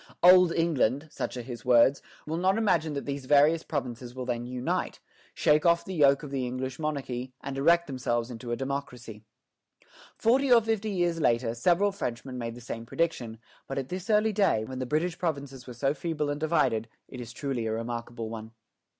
"Old England" such are his words "will not imagine that these various provinces will then unite, shake off the yoke of the English monarchy, and erect themselves into a democracy." Forty or fifty years later, several Frenchmen made the same prediction; but at this early day, when the British provinces were so feeble and divided, it is truly a remarkable one.